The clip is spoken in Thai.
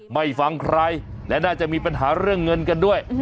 ไม่ฟังใครและน่าจะมีปัญหาเรื่องเงินกันด้วย